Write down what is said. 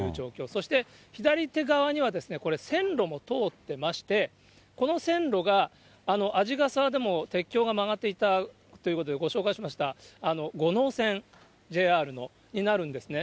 そして左手側には、これ、線路も通ってまして、この線路が、鰺ヶ沢でも鉄橋が曲がっていたということでご紹介しました、五能線、ＪＲのになるんですね。